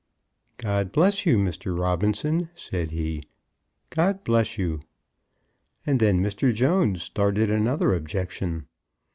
'" "God bless you, Mr. Robinson," said he; "God bless you." And then Mr. Jones started another objection.